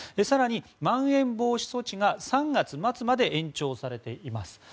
更に、まん延防止措置が３月末まで延長されています。